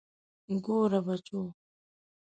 ګوره بچو.